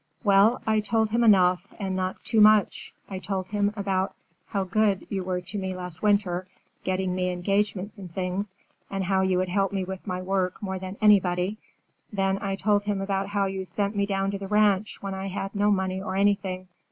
"Well, I told him enough, and not too much. I told him all about how good you were to me last winter, getting me engagements and things, and how you had helped me with my work more than anybody. Then I told him about how you sent me down to the ranch when I had no money or anything."